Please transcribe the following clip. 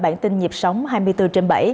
bản tin nhịp sóng hai mươi bốn trên bảy